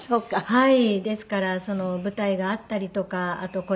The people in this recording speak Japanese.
はい。